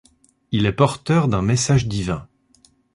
Il est porteur d'un message divin.